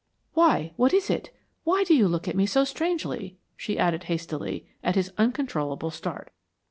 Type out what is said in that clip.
Why, what is it? Why do you look at me so strangely?" she added hastily, at his uncontrollable start.